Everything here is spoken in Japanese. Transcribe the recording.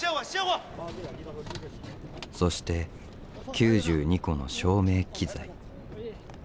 そして９２個の照明機材。